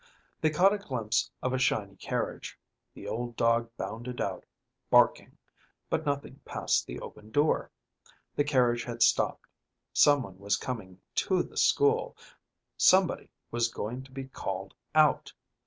They caught a glimpse of a shiny carriage; the old dog bounded out, barking, but nothing passed the open door. The carriage had stopped; some one was coming to the school; somebody was going to be called out!